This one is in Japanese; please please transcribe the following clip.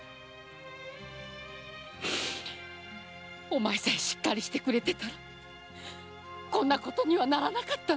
お前さえしっかりしていればこんなことにはならなかった。